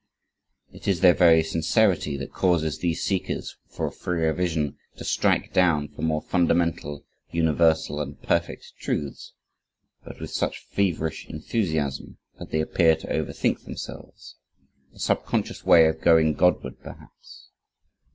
It is their very sincerity that causes these seekers for a freer vision to strike down for more fundamental, universal, and perfect truths, but with such feverish enthusiasm, that they appear to overthink themselves a subconscious way of going Godward perhaps.